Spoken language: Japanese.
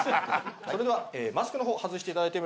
それではマスクの方外していただいても？